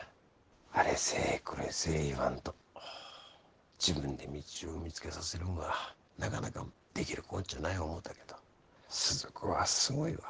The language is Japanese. あれせえこれせえ言わんと自分で道を見つけさせるんはなかなかできるこっちゃない思うたけど鈴子はすごいわ。